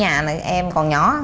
má ở nhà này em còn nhỏ